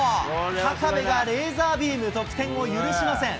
高部がレーザービーム、得点を許しません。